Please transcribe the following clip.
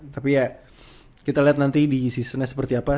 tapi ya kita lihat nanti di seasonnya seperti apa